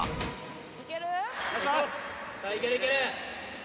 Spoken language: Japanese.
・さあいけるいける！